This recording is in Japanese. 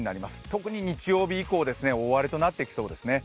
特に日曜日以降、大荒れとなってきそうですね。